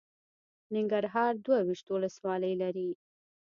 ننګرهار دوه ویشت ولسوالۍ لري.